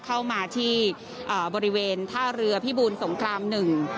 เข้ามาที่อ่าบริเวณท่าเรือพิบูลสงครามหนึ่ง